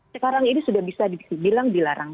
sekarang ini sudah bisa dibilang dilarang